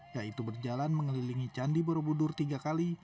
yaitu berjalan mengelilingi candi borobudur tiga kali